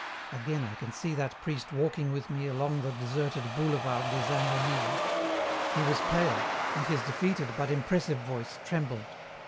Again I can see that priest walking with me along the deserted boulevard des Invalides. He was pale, and his defeated but impressive voice trembled.